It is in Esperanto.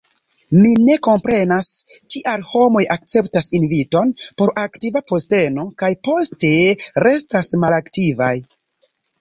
Mi ne komprenas, kial homoj akceptas inviton por aktiva posteno kaj poste restas malaktivaj.